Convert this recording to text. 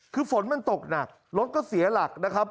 คือฝนมันตกหนักรถก็เสียหลักนะครับ